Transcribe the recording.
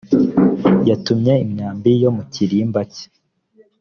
yatumye imyambi yo mu kirimba cye